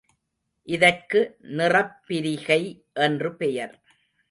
இதற்கு நிறப் பிரிகை என்று பெயர்.